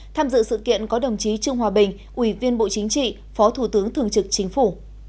tham dự sự kiện có đồng chí trương hòa bình ủy viên bộ chính trị phó thủ tướng thường trực chính phủ